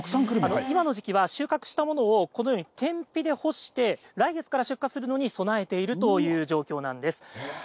今の時期は収穫したものをこのように天日で干して、来月から出荷するのに備えているという状況なんです。